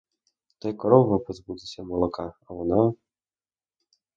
Та й корова позбудеться молока, а вона?